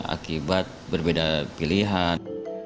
akibat berbeda pilihan